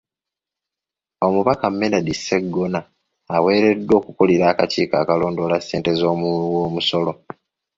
Omubaka Medard Sseggona aweereddwa okukulira akakiiko akalondoola ssente z’omuwi w’omusolo.